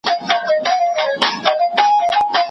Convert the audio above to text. ستا د علم او منطق سره ده سمه